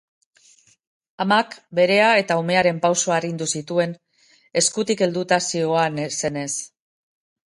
Amak berea eta umearen pausua arindu zituen, eskutik helduta zihoazenez.